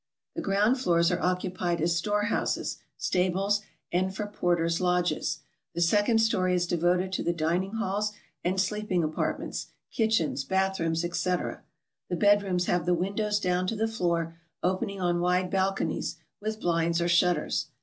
The ground floors are occupied as store houses, stables, and for porters' lodges. The second story is devoted to the dining halls and sleeping apartments, kitchens, bath rooms, etc. The bed rooms have the windows down to the floor, opening on wide balconies, with blinds or shutters.